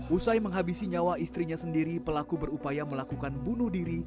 usai menghabisi nyawa istrinya sendiri pelaku berupaya melakukan bunuh diri